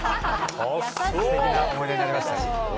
すてきな思い出になりました。